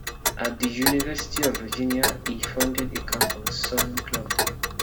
At the University of Virginia, he founded a campus soaring club.